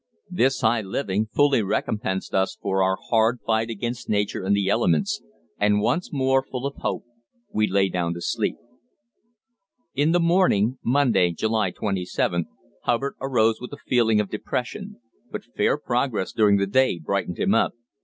This high living fully recompensed us for our hard fight against nature and the elements, and once more full of hope we lay down to sleep. In the morning (Monday, July 27) Hubbard arose with a feeling of depression, but fair progress during the day brightened him up.